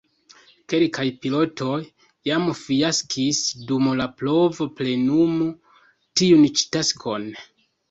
Kelkaj pilotoj jam fiaskis dum la provo plenumi tiun ĉi taskon.